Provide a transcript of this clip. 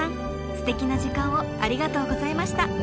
ステキな時間をありがとうございました。